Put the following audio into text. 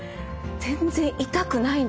全然痛くないんですよ。